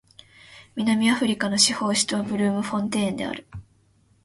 南アフリカの司法首都はブルームフォンテーンである